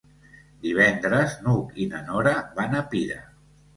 Divendres n'Hug i na Nora van a Pira.